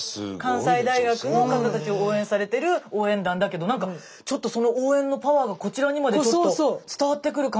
関西大学の方たちを応援されている応援団だけど何かちょっとその応援のパワーがこちらにまでちょっと伝わってくる感じがして。